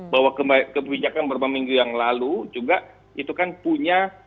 bahwa kebijakan beberapa minggu yang lalu juga itu kan punya